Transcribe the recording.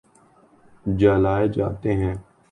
جلائے جاتے ہیں